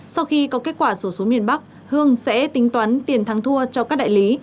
sau khi có kết quả số số miền bắc hương sẽ tính toán tiền thắng thua cho các đại lý